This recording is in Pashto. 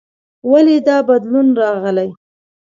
ولې دا بدلون راغلی؟